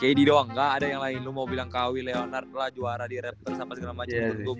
kayaknya di doang gak ada yang lain lu mau bilang kawih leonard lah juara di raptor sama segala macem